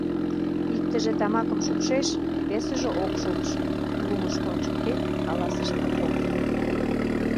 — Иктыже тамакым шупшеш, весыже — ок шупш, — лумышко ончыктен, каласыш Попов.